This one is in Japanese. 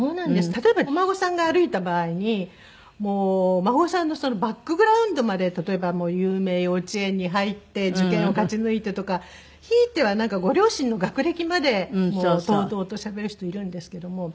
例えばお孫さんが歩いた場合にもうお孫さんのバックグラウンドまで例えば有名幼稚園に入って受験を勝ち抜いてとかひいてはなんかご両親の学歴までとうとうとしゃべる人いるんですけども。